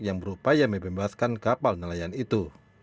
yang berupaya membebaskan kapal nelayan itu